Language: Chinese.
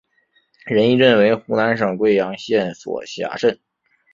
仁义镇为湖南省桂阳县所辖镇。